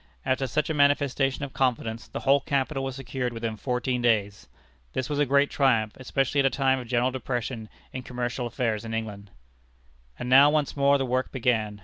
After such a manifestation of confidence, the whole capital was secured within fourteen days. This was a great triumph, especially at a time of general depression in commercial affairs in England. And now once more the work began.